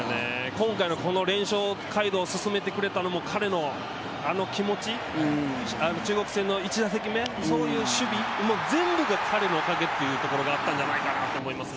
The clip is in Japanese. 今回の連勝街道を進めてくれたのも彼のあの気持ち、中国戦の１打席目、そういう守備、全部が彼のおかげというところがあったんじゃないかなと思いますね。